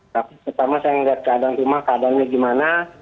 tapi pertama saya melihat keadaan rumah keadaannya gimana